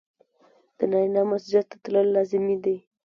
د نارينه مسجد ته تلل لازمي دي.